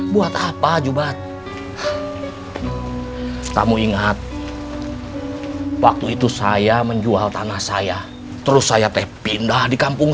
buat apa jubah kamu ingat waktu itu saya menjual tanah saya terus saya teh pindah di kampung